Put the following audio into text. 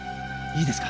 いいですか？